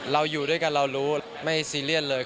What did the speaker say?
เราอยู่ด้วยกันเรารู้ไม่ซีเรียสเลย